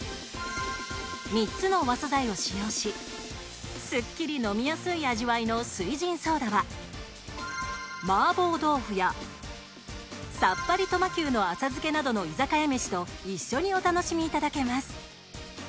３つの和素材を使用しすっきり飲みやすい味わいの翠ジンソーダは麻婆豆腐やさっぱりトマキュウの浅漬けなどの居酒屋メシと一緒にお楽しみいただけます。